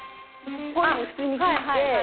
こういうふうに普通に切って。